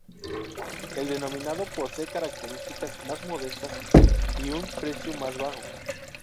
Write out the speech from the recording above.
El denominado posee características más modestas y un precio más bajo.